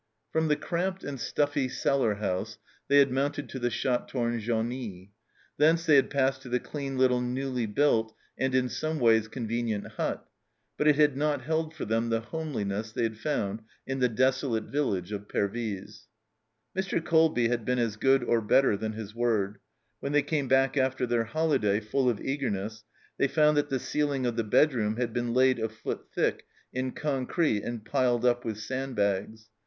From the cramped and stuffy cellar house they had mounted to the shot torn genie. Thence they had passed to the clean little newly built, and in some ways convenient, hut, but it had not held for them the homeliness they found in the desolate village of Pervyse. Mr. Colby had been as good or better than his word ; when they came back after their holiday, full of eagerness, they found that the ceiling of the bedroom had been laid a foot thick in concrete and piled up with sand bags.